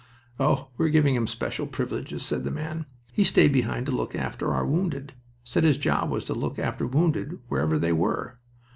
"Oh, we're giving him special privileges," said the man. "He stayed behind to look after our wounded. Said his job was to look after wounded, whoever they were.